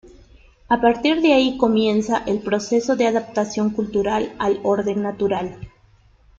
A partir de ahí comienza el proceso de adaptación cultural al orden natural.